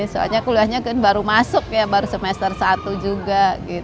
karena kuliahnya baru masuk baru semester satu juga